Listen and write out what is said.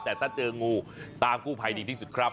แต่ถ้าเจองูตามกู้ภัยดีที่สุดครับ